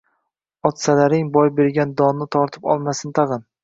Otsalaring boy bergan donini tortib olmasin tag‘in!